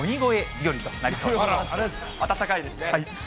暖かいですね。